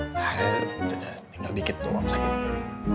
udah udah tinggal dikit tuh orang sakitnya